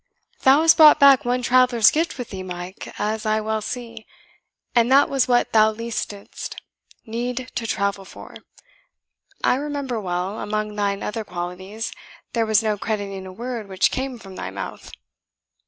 "Thou hast brought back one traveller's gift with thee, Mike, as I well see; and that was what thou least didst: need to travel for. I remember well, among thine other qualities, there was no crediting a word which came from thy mouth."